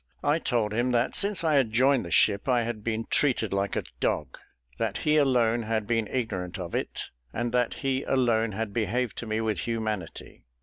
I told him, that since I had joined the ship I had been treated like a dog; that he alone had been ignorant of it, and that he alone had behaved to me with humanity.